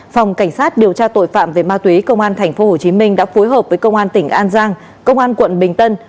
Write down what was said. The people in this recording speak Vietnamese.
phòng cảnh sát điều tra tội phạm về ma túy công an tp hcm đã phối hợp với công an tỉnh an giang công an quận bình tân